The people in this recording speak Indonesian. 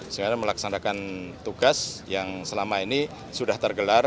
sehingga melaksanakan tugas yang selama ini sudah tergelar